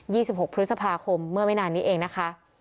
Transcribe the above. ี่สิบหกพฤษภาคมเมื่อไม่นานนี้เองนะคะ